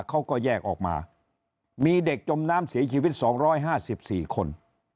เขาก็แยกออกมามีเด็กจมน้ำเสียชีวิต๒๕๔คน